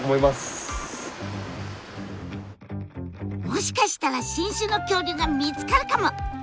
もしかしたら新種の恐竜が見つかるかも！